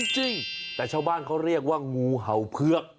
จริงแต่ชาวบ้านเขาเรียกว่างูเห่าเผือก